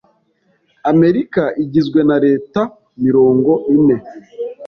Amerika igizwe na leta mirongo ine